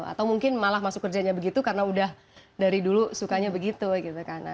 atau mungkin malah masuk kerjanya begitu karena udah dari dulu sukanya begitu gitu kan